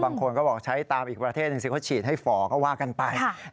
บางคนก็บอกใช้ตามอีกประเทศหนึ่งสิเขาฉีดให้ฝ่อก็ว่ากันไป